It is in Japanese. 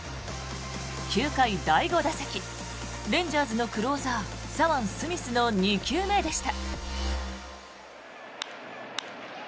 ９回、第５打席レンジャーズのクローザー左腕、スミスの２球目でした。